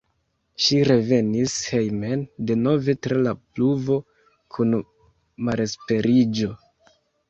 Ŝi revenis hejmen denove tra la pluvo kun malesperiĝo.